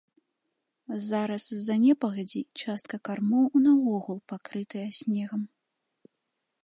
Зараз з-за непагадзі частка кармоў наогул пакрытая снегам.